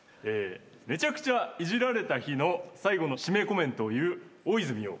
めちゃくちゃイジられた日の最後の締めコメントを言う大泉洋。